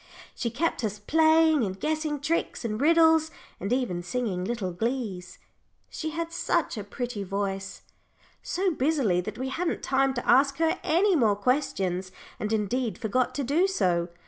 She kept us playing, and guessing tricks and riddles, and even singing little glees she had such a pretty voice so busily that we hadn't time to ask her any more questions, and indeed forgot to do so.